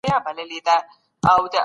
ځمکه خپله خزانه ده.